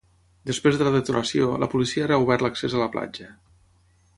Després de la detonació, la policia ha reobert l’accés a la platja.